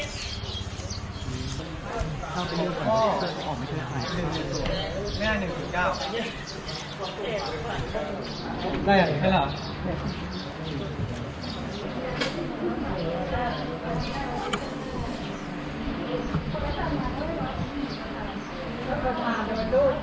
จุดตัดสรรความสะเกาะในนังคลุมเมืองเมืองในสถานที่กลายเป็นความสะเกาะที่สุด